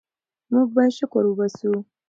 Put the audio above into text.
موږ باید شکر وباسو.